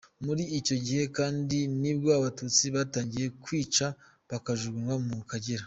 Muri icyo gihe kandi ni bwo abatutsi batangiye kwica bakajugunwa mu Akagera.